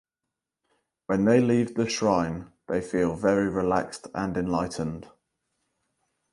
When they leave the shrine they feel very relaxed and enlightened.